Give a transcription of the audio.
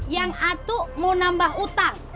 yang atu mau nambah utang